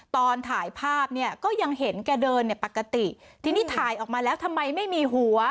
ตอนถ่ายภาพเนี่ยก็ยังเห็นแกเดินเนี่ยปกติทีนี้ถ่ายออกมาแล้วทำไมไม่มีหัว